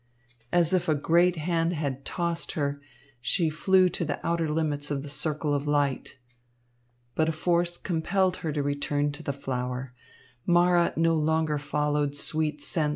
As if a great hand had tossed her, she flew to the outer limits of the circle of light. But a force compelled her to return to the flower. Mara no longer followed sweet scents.